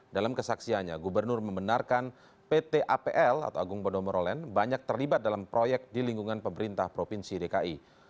dalam kesaksiannya gubernur membenarkan pt apl atau agung podomorolen banyak terlibat dalam proyek di lingkungan pemerintah provinsi dki